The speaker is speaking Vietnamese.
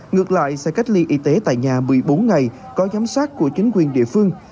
ngược lại sẽ cách ly y tế tại nhà một mươi bốn ngày có giám sát của chính quyền địa phương